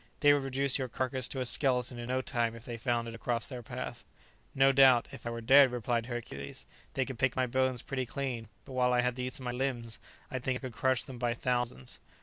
they would reduce your carcase to a skeleton in no time, if they found it across their path." "No doubt, if I were dead," replied Hercules, "they could pick my bones pretty clean; but while I had the use of my limbs I think I could crush them by thousands."